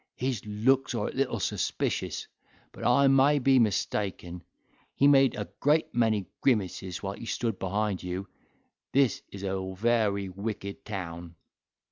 His looks are a little suspicious—but I may be mistaken; he made a great many grimaces while he stood behind you, this is a very wicked town."